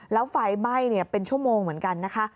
แล้วไฟไหม้เป็นชั่วโมงเหมือนกันนะคะ